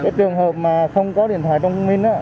trường hợp mà không có điện thoại trong quốc minh